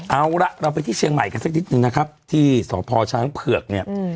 เอาละเราไปที่เชียงใหม่กันสักนิดนึงนะครับที่สพช้างเผือกเนี่ย